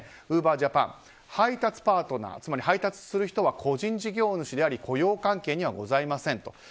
ウーバージャパン配達パートナーつまり配達する人は個人事業主であり雇用関係にはございませんと。